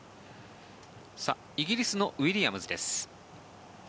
イギリスのウィリアムズです。